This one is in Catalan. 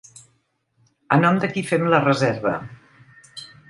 A nom de qui fem la reserva?